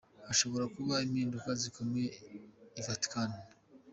Hashobora kuba impinduka zikomeye I Vatikani.